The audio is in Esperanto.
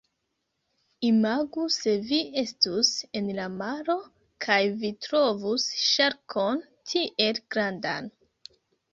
Imagu se vi estus en la maro, kaj vi trovus ŝarkon tiel grandan.